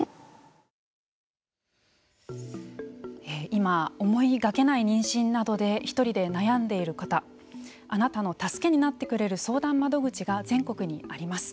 今思いがけない妊娠などで一人で悩んでいる方あなたの助けになってくれる相談窓口が全国にあります。